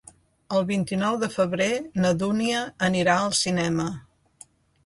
El vint-i-nou de febrer na Dúnia anirà al cinema.